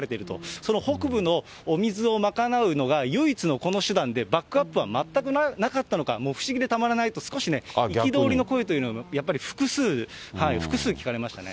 その北部のお水を賄うのが唯一のこの手段で、バックアップは全くなかったのか、もう不思議でたまらないと、少しね、憤りの声というのが、やっぱり複数、複数聞かれましたね。